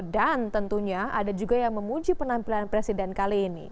dan tentunya ada juga yang memuji penampilan presiden kali ini